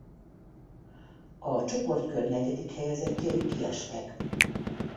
A csoportkör negyedik helyezettjei kiestek.